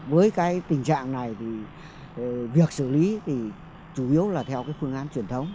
với cái tình trạng này thì việc xử lý thì chủ yếu là theo cái phương án truyền thống